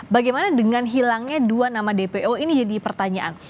bagaimana dengan hilangnya dua nama dpo ini jadi pertanyaan